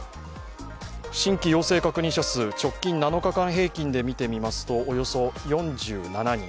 新規陽性確認者数直近７日間平均で見てみますとおよそ４７人。